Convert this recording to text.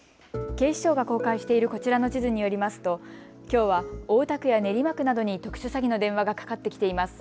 警視庁が公開しているこちらの地図によりますときょうは大田区や練馬区などに特殊詐欺の電話がかかってきています。